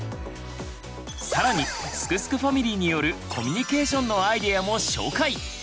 更にすくすくファミリーによるコミュニケーションのアイデアも紹介！